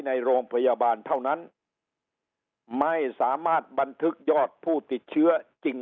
ในโรงพยาบาลเท่านั้นไม่สามารถบันทึกยอดผู้ติดเชื้อจริง